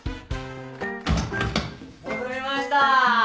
・・戻りました！